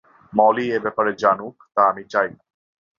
মলি এ ব্যাপারে জানুক, তা আমি চাই না।